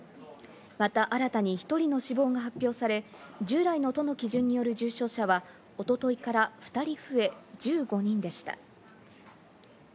また新たに１人の死亡が発表され、従来の都の基準による重症者は一昨日から２人増え、１５人でした。